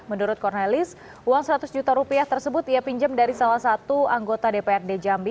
menurut cornelis uang seratus juta rupiah tersebut ia pinjam dari salah satu anggota dprd jambi